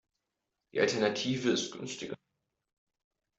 Die Alternative ist günstiger.